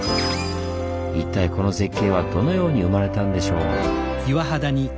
一体この絶景はどのように生まれたんでしょう？